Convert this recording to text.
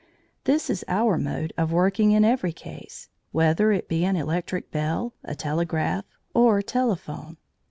This is our mode of working in every case, whether it be an electric bell, a telegraph, or telephone.